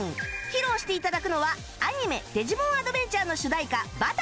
披露して頂くのはアニメ『デジモンアドベンチャー』の主題歌『Ｂｕｔｔｅｒ−Ｆｌｙ』